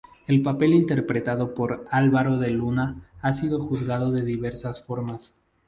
El papel interpretado por Álvaro de Luna ha sido juzgado de diversas formas.